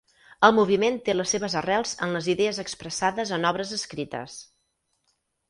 El moviment té les seves arrels en les idees expressades en obres escrites.